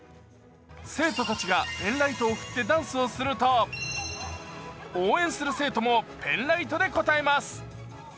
生徒たちがペンライトを振ってダンスをすると応援する生徒もペンライトで応えます。